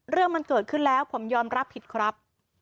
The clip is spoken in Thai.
เรื่องมันเกิดขึ้นแล้วผมยอมรับผิดครับ